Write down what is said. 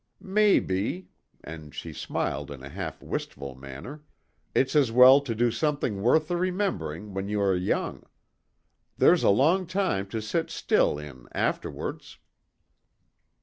Maybe" and she smiled in a half wistful manner "it's as well to do something worth the remembering when ye are young. There's a long time to sit still in afterwards."